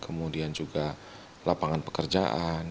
kemudian juga perusahaan yang lebih berkembang